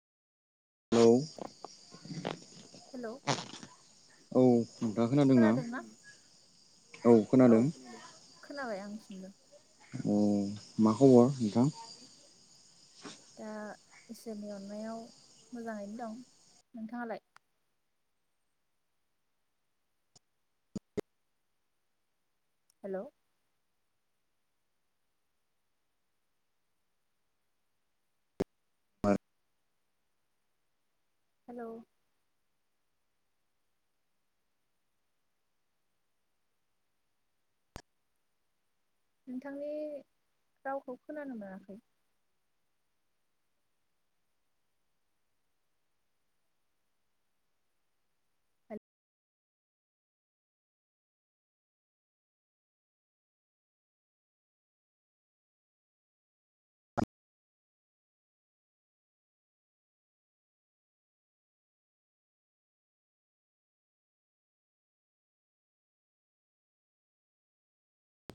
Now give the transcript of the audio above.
औ। हेल'। औ नोंथाङा खोनादोंना? औ खोनाबाय आंसिमबो। अ मा खबर नोंथां? दा इसोरनि अननायाव मोजाङैनो दं नोंथाङालाय? हेल' मा हेल' नोंथांनि रावखौ खोनानो मोनाखै।